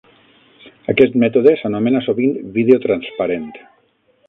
Aquest mètode s'anomena sovint "vídeo transparent".